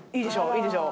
いいでしょ？